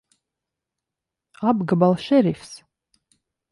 Apgabala šerifs!